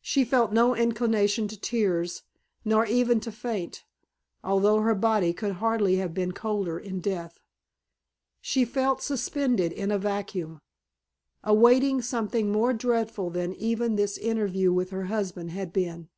She felt no inclination to tears, nor even to faint, although her body could hardly have been colder in death. She felt suspended in a vacuum, awaiting something more dreadful than even this interview with her husband had been.